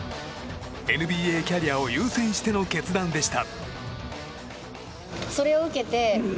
ＮＢＡキャリアを優先しての決断でした。